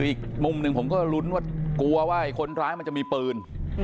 อีกมุมหนึ่งผมก็ลุ้นว่ากลัวว่าคนร้ายมันจะมีปืน